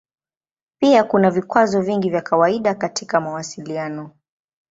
Pia kuna vikwazo vingi vya kawaida katika mawasiliano.